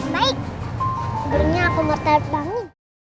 burungnya aku mertabat banget